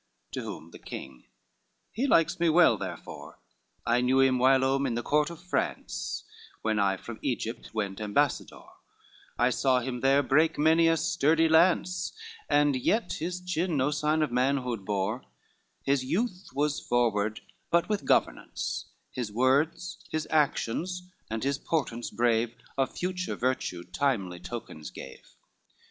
LX To whom the king: "He likes me well therefore, I knew him whilom in the court of France When I from Egypt went ambassador, I saw him there break many a sturdy lance, And yet his chin no sign of manhood bore; His youth was forward, but with governance, His words, his actions, and his portance brave, Of future virtue, timely tokens gave.